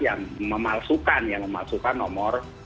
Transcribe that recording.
yang memalsukan nomor